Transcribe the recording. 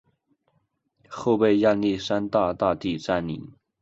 后被亚历山大大帝占领。